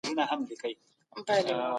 د بل چا سپکاوی مه کوئ.